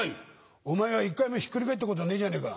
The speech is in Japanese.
お前は１回もひっくり返ったことねえじゃねぇか。